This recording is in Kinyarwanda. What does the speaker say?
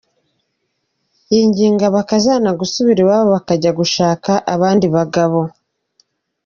Yinginga abakazana gusubira iwabo bakajya gushaka abandi bagabo.